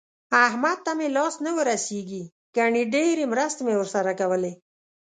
احمد ته مې لاس نه ورسېږي ګني ډېرې مرستې مې ورسره کولې.